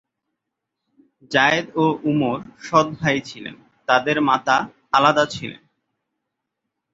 জায়েদ ও উমর সৎ ভাই ছিলেন, তাদের মাতা আলাদা ছিলেন।